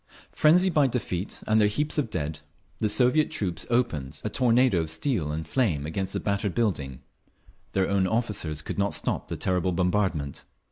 Frenzied by defeat and their heaps of dead, the Soviet troops opened a tornado of steel and flame against the battered building. Their own officers could not stop the terrible bombardment.